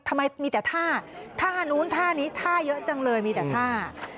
ทำไมมีแต่ท่าท่านู้นท่านี้ท่าเยอะจังเลยมีแต่ท่า